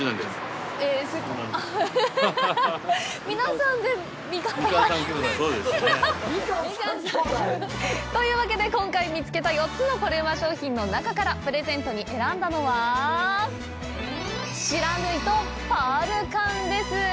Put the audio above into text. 末っ子？というわけで、今回見つけた４つのコレうま商品の中からプレゼントに選んだのは不知火とパール柑です！